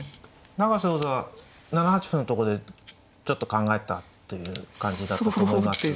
永瀬王座は７八歩のとこでちょっと考えたという感じだと思いますが。